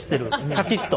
カチッと。